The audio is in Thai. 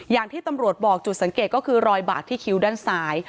อย่างที่ตำรวจบอกจุดสังเกตก็คือรอยบาดที่คิ้วด้านซ้าย